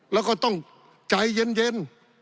แล้วก็ต้องใจเย็น